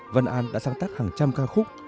văn an đã sáng tác hàng trăm ca khúc